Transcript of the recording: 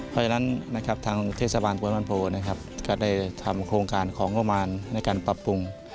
เพราะฉะนั้นทางเทศบาลปวนวันโภคก็ได้ทำโครงการของโรงพยาบาลในการปรับปรุง